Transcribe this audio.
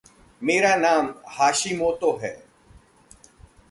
मेरा नाम हाशिमोतो है।